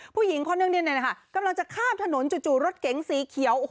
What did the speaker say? ผู้หญิงพอเนื่องดินเลยนะคะกำลังจะข้ามถนนจู่รถเก๋งสีเขียว